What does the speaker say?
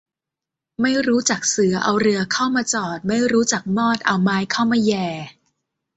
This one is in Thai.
ไม่รู้จักเสือเอาเรือเข้ามาจอด ไม่รู้จักมอดเอาไม้เข้ามาแหย่